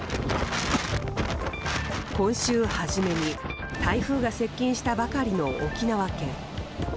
今週初めに台風が接近したばかりの沖縄県。